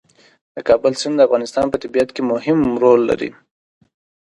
د کابل سیند د افغانستان په طبیعت کې مهم رول لري.